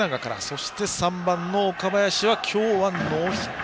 そして３番の岡林は今日はノーヒット。